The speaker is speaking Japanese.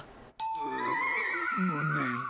うむねん。